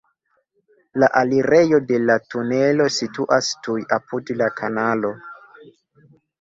La alirejo de la tunelo situas tuj apud la kanalo.